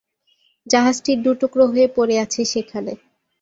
জাহাজটি দু টুকরো হয়ে পড়ে আছে সেখানে।